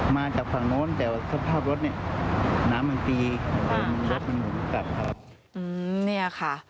มาจากฝั่งโน้นแต่สภาพรถน้ำมันปีก